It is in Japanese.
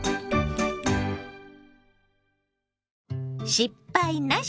「失敗なし！